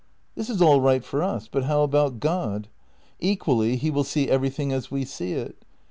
This is all right for us, but how about God? Equally he will see everything as we see it.